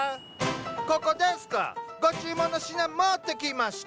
ここデスカ⁉ご注文の品持ってきました。